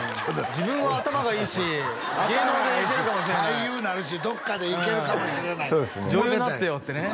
自分は頭がいいし頭がええし俳優なるしどっかでいけるかもしれないそうですね